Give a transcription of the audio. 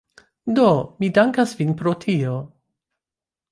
Do, mi dankas vin pro tio